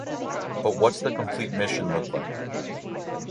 But what’s the complete mission look like?